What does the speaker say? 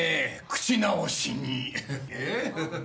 「口直しに」？